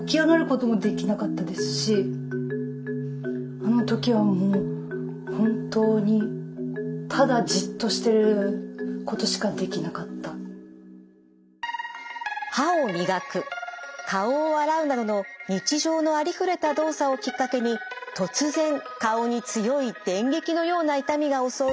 あの時はもう本当に歯を磨く顔を洗うなどの日常のありふれた動作をきっかけに突然顔に強い電撃のような痛みが襲う